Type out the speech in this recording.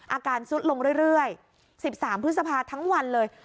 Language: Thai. อาการซุดลงเรื่อย๑๓พฤษภาทั้งวันเลย